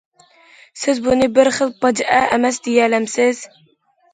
سىز بۇنى بىر خىل پاجىئە ئەمەس دېيەلەمسىز؟!